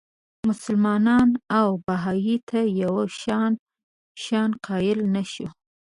مسلمان او بهايي ته یو شان شأن قایل نه شو.